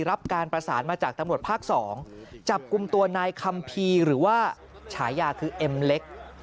รับการประสานมาจากตำรวจภาค๒จับกลุ่มตัวนายคัมภีร์หรือว่าฉายาคือเอ็มเล็ก